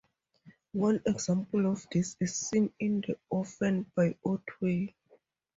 One example of this is seen in The Orphan by Otway.